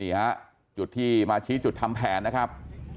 นี่ฮะจุดที่มาชี้จุดทำแผนนะครับ